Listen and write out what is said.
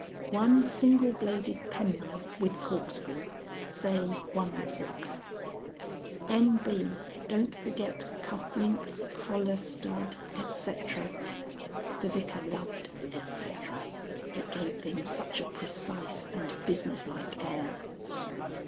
"1 Single bladed Penknife with Corkscrew, say 1s 6d. "N.B. Don't forget Cuff Links, Collar Stud, &c." (The Vicar loved "&c.", it gave things such a precise and business like air.)